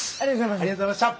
ありがとうございます。